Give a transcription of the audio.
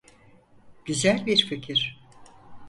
Güzel bir fikir.